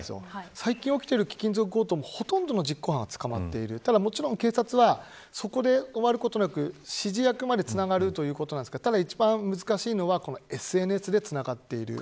最近起きている貴金属強盗もほとんど実行犯は捕まっている警察は、そこで終わることなく指示役までつなげるということですが一番難しいのはＳＮＳでつながっている。